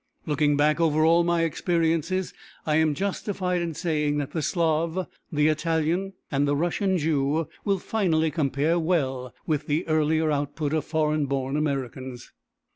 Looking back over all my experiences, I am justified in saying that the Slav, the Italian and the Russian Jew, will finally compare well with the earlier output of foreign born Americans.